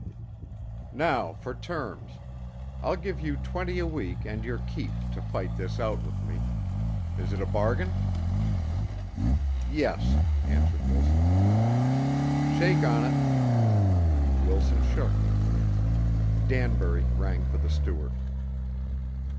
"Now for terms. I'll give you twenty a week and your keep to fight this out with me. Is it a bargain?" "Yes," answered Wilson. "Shake on it." Wilson shook. Danbury rang for the steward.